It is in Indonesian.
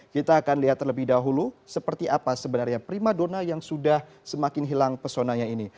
kita akan lihat terlebih dahulu seperti apa sebenarnya prima dona yang sudah semakin hilang pesonanya ini